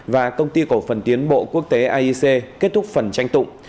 và công ty cổ phần tiến bộ quốc tế aic kết thúc phần tranh tụng